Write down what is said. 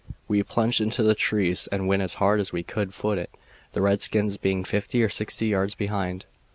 We plunged into the trees and went as hard as we could foot it, the redskins being fifty or sixty yards behind.